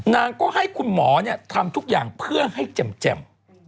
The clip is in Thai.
นางก็ให้คุณหมอทำทุกอย่างเพื่อให้แจ่ม